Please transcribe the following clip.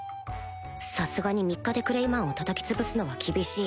さすがに３日でクレイマンをたたき潰すのは厳しい